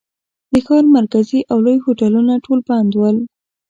د ښار مرکزي او لوی هوټلونه ټول بند ول.